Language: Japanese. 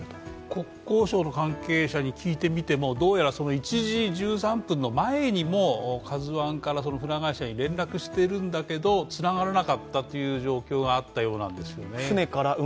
国交省の関係者に聞いてみてもどうやら１時１３分の前に「ＫＡＺＵⅠ」から船会社に連絡してるんだけどもつながらなかったという状況があったようなんですね。